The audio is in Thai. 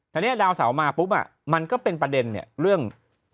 ตอนนี้ดาวเสามาปุ๊บมันก็เป็นประเด็นเนี่ยเรื่อง